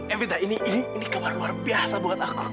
evita ini kemenangan luar biasa buat aku